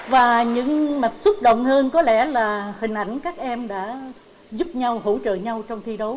và những mạch xúc động hơn có lẽ là hình ảnh các em đã giúp nhau hỗ trợ nhau trong thi đấu